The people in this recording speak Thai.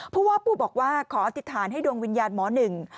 ผู้ว่าปูบอกว่าขออธิษฐานให้ดวงวิญญาณหมอหนึ่ง